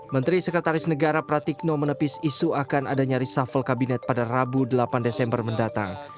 menteri sekretaris negara pratikno menepis isu akan adanya reshuffle kabinet pada rabu delapan desember mendatang